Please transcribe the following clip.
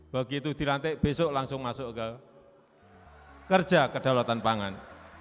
begitu dilantik besok langsung masuk ke kerja kedaulatan pangan